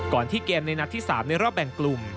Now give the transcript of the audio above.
ที่เกมในนัดที่๓ในรอบแบ่งกลุ่ม